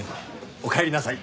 おかえりなさい。